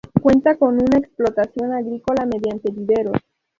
Cuenta con una explotación agrícola mediante viveros.